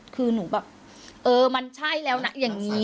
คือหนูแบบเออมันใช่แล้วนะอย่างนี้